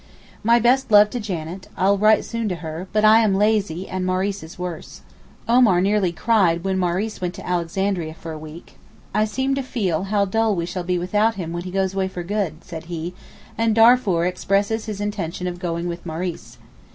My best love to Janet, I'll write soon to her, but I am lazy and Maurice is worse. Omar nearly cried when Maurice went to Alexandria for a week. 'I seem to feel how dull we shall be without him when he goes away for good,' said he, and Darfour expresses his intention of going with Maurice.